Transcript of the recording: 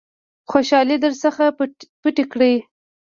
خوشالۍ در څخه پټې کړي .